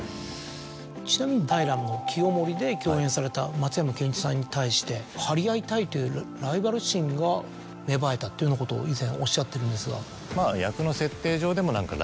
ちなみに『平清盛』で共演された松山ケンイチさんに対して張り合いたいという。というようなことを以前おっしゃってるんですが。